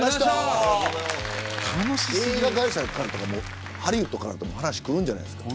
映画会社とかハリウッドからも話がくるんじゃないですか。